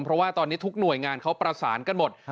เพราะว่าตอนนี้ทุกหน่วยงานเขาประสานกันหมด